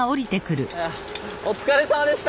お疲れさまでした。